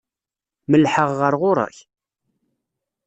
Mellḥeɣ ɣer ɣur-k?